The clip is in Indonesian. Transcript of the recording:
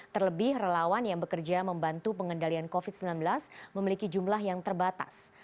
terlebih relawan yang bekerja membantu pengendalian covid sembilan belas memiliki jumlah yang terbatas